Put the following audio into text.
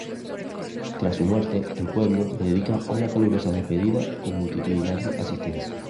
Tras su muerte el pueblo le dedica una calurosa despedida con multitudinaria asistencia.